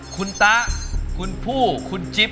คุณตะคุณผู้คุณจิ๊บ